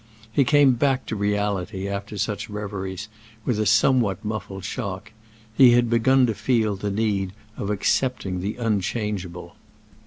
He came back to reality, after such reveries, with a somewhat muffled shock; he had begun to feel the need of accepting the unchangeable.